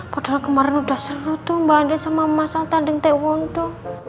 padahal kemarin udah seru tuh mbak andin sama mas alta dan tewondo